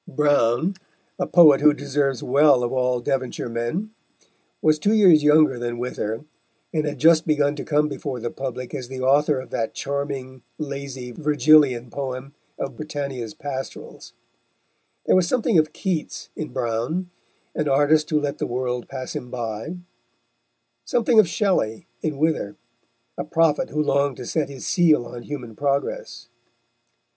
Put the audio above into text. Browne, a poet who deserves well of all Devonshire men, was two years younger than Wither, and had just begun to come before the public as the author of that charming, lazy, Virgilian poem of Britannia's Pastorals. There was something of Keats in Browne, an artist who let the world pass him by; something of Shelley in Wither, a prophet who longed to set his seal on human progress.